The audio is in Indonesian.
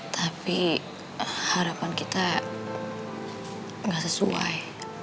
tapi harapan kita nggak sesuai